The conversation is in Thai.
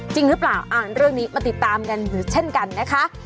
จริงหรือเปล่าอ่านเรื่องนี้มาติดตามกันเช่นกันนะคะ